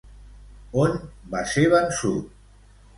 On va ser vençut?